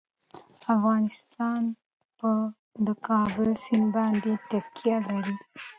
افغانستان په د کابل سیند باندې تکیه لري.